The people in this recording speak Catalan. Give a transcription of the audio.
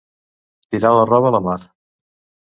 Tirar la roba a la mar.